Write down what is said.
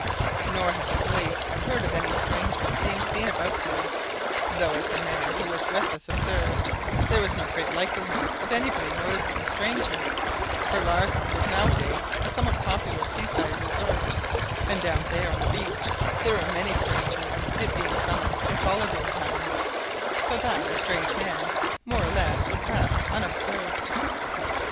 Nor had the police heard of any stranger being seen about there though, as the man who was with us observed, there was no great likelihood of anybody noticing a stranger, for Largo was nowadays a somewhat popular seaside resort, and down there on the beach there were many strangers, it being summer, and holiday time, so that a strange man more or less would pass unobserved.